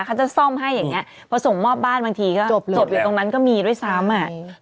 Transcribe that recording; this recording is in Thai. เขาจะซ่อมให้อย่างเงี้พอส่งมอบบ้านบางทีก็จบอยู่ตรงนั้นก็มีด้วยซ้ำอ่ะ